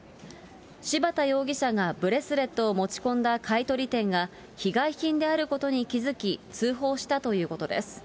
柴田容疑者がブレスレットを持ち込んだ買い取り店が被害品であることに気付き、通報したということです。